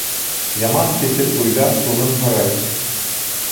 Яман кеше туйҙа тунын һорай.